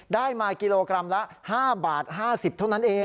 ได้มากิโลกรัมละ๕บาท๕๐เท่านั้นเอง